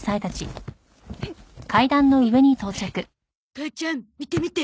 母ちゃん見て見て。